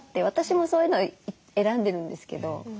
私もそういうのを選んでるんですけど。